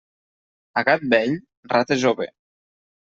A gat vell, rata jove.